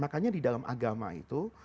makanya di dalam agama itu